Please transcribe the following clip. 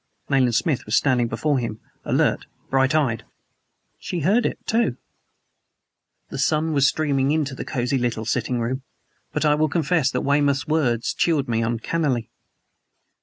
Nayland Smith was standing before him, alert, bright eyed. "She heard it, too!" The sun was streaming into the cozy little sitting room; but I will confess that Weymouth's words chilled me uncannily.